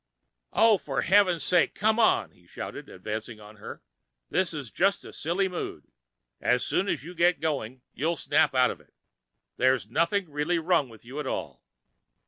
"Oh, for heaven's sake, come on!" he shouted, advancing on her. "This is just a silly mood. As soon as you get going, you'll snap out of it. There's nothing really wrong with you at all."